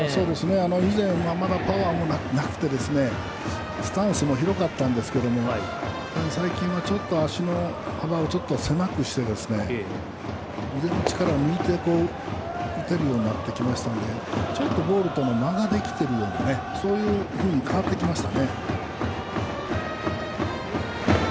以前まだパワーもなくてスタンスも広かったんですけど最近は足の幅をちょっと狭くして非常に力を抜いて打てるようになってきたのでボールとの間ができているようなそういうふうに変わってきました。